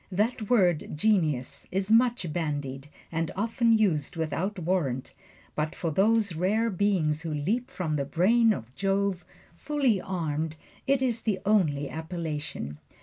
That word "genius" is much bandied, and often used without warrant; but for those rare beings who leap from the brain of Jove, full armed, it is the only appellation.